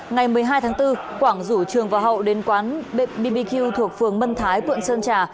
ngày một mươi hai tháng bốn quảng rủ trường và hậu đến quán bbq thuộc phường mân thái quận sơn trà